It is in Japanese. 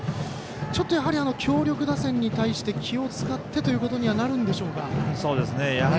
ちょっとやはり強力打線に対して気を使ってということになるんでしょうか。